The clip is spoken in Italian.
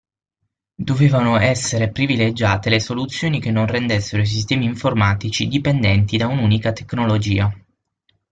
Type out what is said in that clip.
Dovevano essere privilegiate le soluzioni che non rendessero i sistemi informatici dipendenti da un'unica tecnologia.